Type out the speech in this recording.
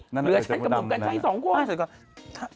เหลือฉันกับมึงกัน๒โฮ้ย